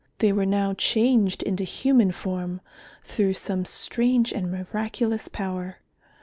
They were now changed into human form, through some strange and miraculous power.